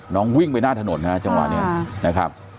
น้องวิ่งไปหน้าถนนนะครับจังหวะนี้